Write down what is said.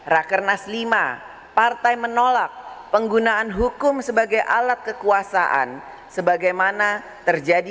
rakernas lima partai menolak penggunaan hukum sebagai alat kekuasaan sebagaimana terjadi